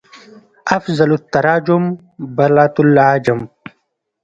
افضل التراجم بالغت العاجم